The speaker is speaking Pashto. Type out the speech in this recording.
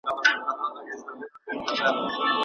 د هغه په وېښتانو کې د واورې کوچني بڅرکي لیدل کېدل.